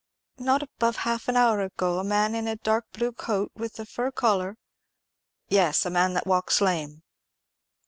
"Not above half an hour ago. A man in a dark blue coat with a fur collar——" "Yes; a man that walks lame."